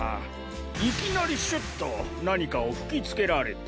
いきなりシュッとなにかをふきつけられて。